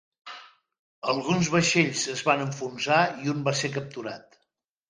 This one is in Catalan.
Alguns vaixells es van enfonsar i un va ser capturat.